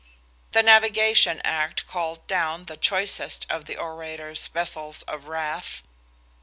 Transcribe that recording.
"The Navigation Act called down the choicest of the orator's vessels of wrath.